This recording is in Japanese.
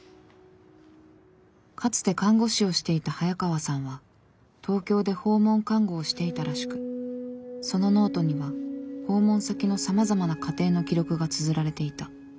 かつて看護師をしていた早川さんは東京で訪問看護をしていたらしくそのノートには訪問先のさまざまな家庭の記録がつづられていた。